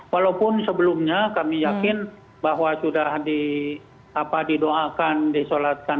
walaupun sebelumnya kami yakin bahwa sudah didoakan disolatkan